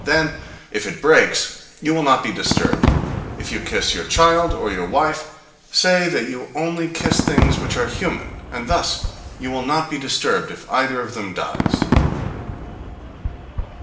Then, if it breaks, you will not be disturbed. If you kiss your child, or your wife, say that you only kiss things which are human, and thus you will not be disturbed if either of them dies.